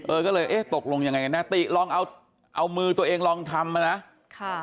เออก็เลยเอ๊ะตกลงยังไงกันนะติลองเอาเอามือตัวเองลองทำมานะค่ะ